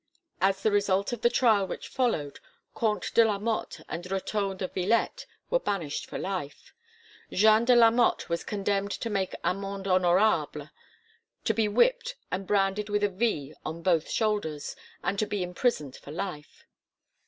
As the result of the trial which followed, Comte de la Motte and Retaux de Vilette were banished for life; Jeanne de la Motte was condemned to make amende honourable, to be whipped and branded with V on both shoulders, and to be imprisoned for life.